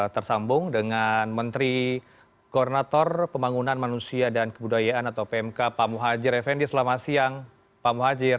tersambung dengan menteri koordinator pembangunan manusia dan kebudayaan atau pmk pak muhajir effendi selamat siang pak muhajir